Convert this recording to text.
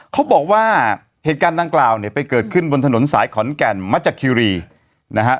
เขาบอกว่าเหตุการณ์ดังกล่าวเนี่ยไปเกิดขึ้นบนถนนสายขอนแก่นมัชคิรีนะฮะ